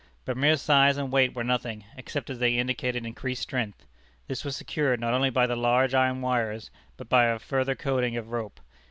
But mere size and weight were nothing, except as they indicated increased strength. This was secured, not only by the larger iron wires, but by a further coating of rope.